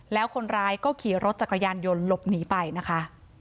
แล้วคนร้ายก็ขี่รถจักรยานยนต์หลบหนีไปนะคะ